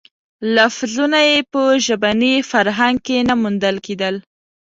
لفظونه یې په ژبني فرهنګ کې نه موندل کېدل.